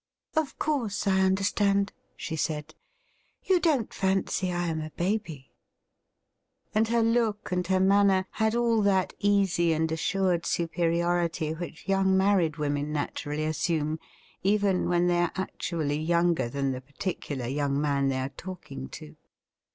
' Of course, I understand,' she said. ' You don't fancy I am a baby .?' And her look and her manner had all that easy and assured superiority which young married women naturally assume even when they are actually younger than the particular young man they are talking to.